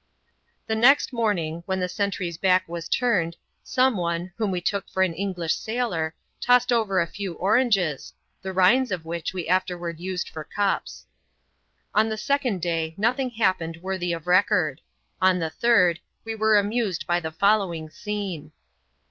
The next morning, when the sentry's back was turned, some one, whom we took for an English sailor, tossed over a few oranges, the rinds of which we afterward used for cups. On the second day nothing happened worthy of record. On the third, we were amused by the following scene.